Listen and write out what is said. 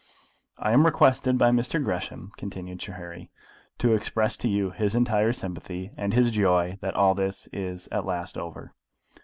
"I am requested by Mr. Gresham," continued Sir Harry, "to express to you his entire sympathy, and his joy that all this is at last over."